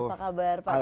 apa kabar pak kiai